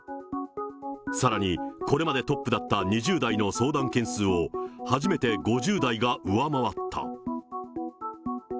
さらに、これまでトップだった２０代の相談件数を初めて５０代が上回った。